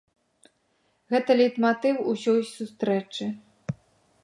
Гэта лейтматыў усёй сустрэчы.